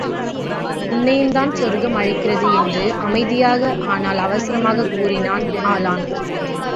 உன்னையும்தான் சொர்க்கம் அழைக்கிறது என்று அமைதியாக ஆனால் அவசரமாகக் கூறினான் ஹாஸான்.